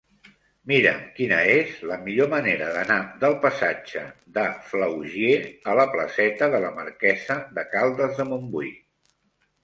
Mira'm quina és la millor manera d'anar del passatge de Flaugier a la placeta de la Marquesa de Caldes de Montbui.